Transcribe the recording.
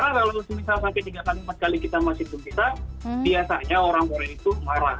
karena kalau misal sampai tiga kali empat kali kita masih berusaha biasanya orang orang itu marah